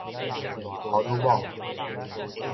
荷爾蒙